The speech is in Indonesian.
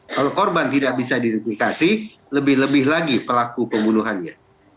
kalau korban tidak bisa diidentifikasi lebih lebih lagi pelaku pembunuhannya